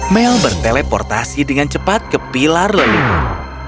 mel berteleportasi dengan cepat ke pilar leluhur